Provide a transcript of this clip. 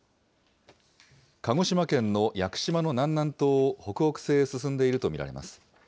鹿児島県の屋久島の南南東を北北西へ進んでいると見られます。